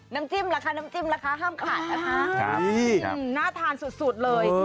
น้ำจิ้มละคะห้ามขาดละคะน่าทานสุดเลย